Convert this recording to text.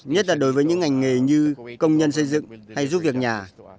nhất là đối với những ngành nghề như công nhân xây dựng hay giúp việc nhà